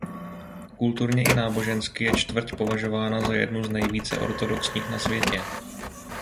Kulturně i nábožensky je čtvrť považována za jednu z nejvíce ortodoxních na světě.